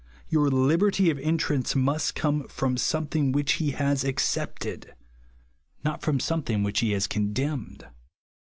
Your liberty of entrance must come fro'in something which he has accepted ; not from something which he has condemned.